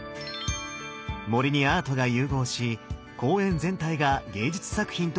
森にアートが融合し公園全体が芸術作品となっています。